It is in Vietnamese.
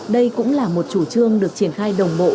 đây cũng là một chủ trương được triển khai đồng bộ